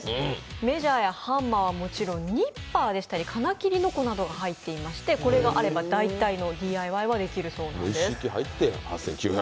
メジャーやハンマーはもちろんニッパーでしたり金切りのこなどが入っていましてこれがあれば大体のＤＩＹはできるそうです。